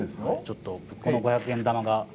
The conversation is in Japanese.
ちょっとこの五百円玉が。